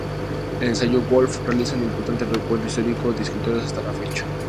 En el ensayo, Woolf realiza un importante recuento histórico de escritoras hasta la fecha.